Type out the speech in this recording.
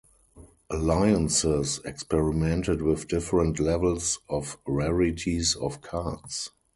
"Alliances" experimented with different levels of rarities of cards.